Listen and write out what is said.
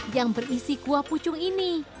yang berisi kuah pucung ini